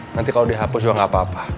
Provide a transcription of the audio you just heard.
nanti kalo dihapus juga gak apa apa